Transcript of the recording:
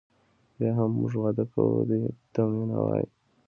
بیا هم موږ واده کوو دې ته مینه وایي.